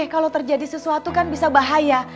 kalau terjadi sesuatu kan bisa bahaya